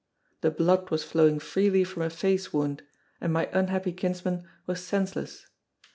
The blood was flowing freely from a face wound, and my unhappy kinsman was senseless.